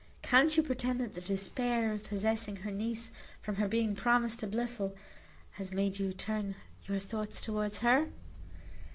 Can't you pretend that the despair of possessing her niece, from her being promised to Blifil, has made you turn your thoughts towards her?